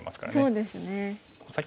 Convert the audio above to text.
そうですね。